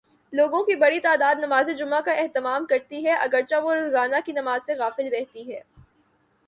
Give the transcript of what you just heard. لوگوں کی بڑی تعداد نمازجمعہ کا اہتمام کرتی ہے، اگر چہ وہ روزانہ کی نماز سے غافل رہتی ہے۔